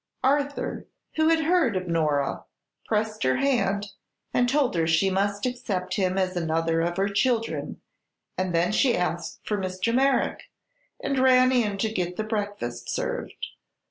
Arthur, who had heard of Nora, pressed her hand and told her she must accept him as another of her children, and then she asked for Mr. Merrick and ran in to get the breakfast served.